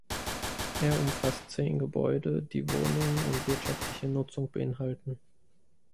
Er umfasst zehn Gebäude, die Wohnungen und wirtschaftliche Nutzung beinhalten.